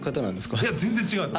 いや全然違うんですよ